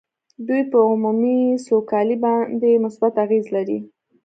دوی په عمومي سوکالۍ باندې مثبت اغېز لري